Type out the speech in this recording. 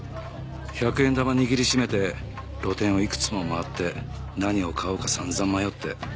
百円玉握り締めて露店をいくつも回って何を買おうか散々迷って。